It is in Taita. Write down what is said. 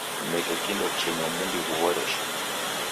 Mneke kindo chenywa mumbi ghuhoreshe